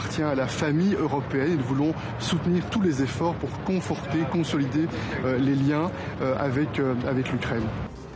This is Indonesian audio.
kami ingin menolak semua usaha untuk memperbaiki dan menggabungkan hubungan dengan uni eropa